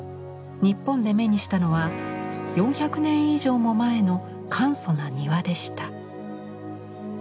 日本で目にしたのは４００年以上も前の簡素な庭でした。